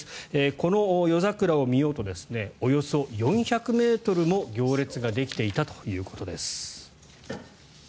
この夜桜を見ようとおよそ４００ｍも行列ができていたということです。